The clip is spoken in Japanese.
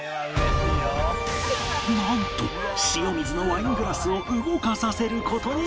なんと塩水のワイングラスを動かさせる事に成功